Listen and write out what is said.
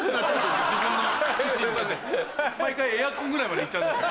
毎回エアコンぐらいまで行っちゃうんですよ。